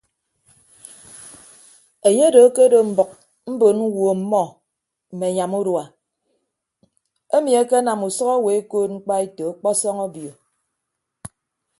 Enye odo akedo mbʌk mbon ñwo ọmmọ mme anyam urua emi ekenam usʌk owo ekoot mkpaeto ọkpọsọñ obio.